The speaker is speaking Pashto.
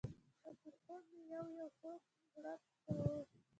له ترخو مې یو یو خوږ غړپ کاوه.